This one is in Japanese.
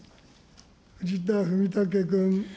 藤田文武君。